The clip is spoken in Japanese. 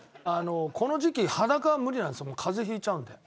この時期、裸は無理なんです風邪をひいちゃうので。